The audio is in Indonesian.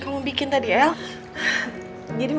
tapi kamu berat karena aku lima ribu dolaright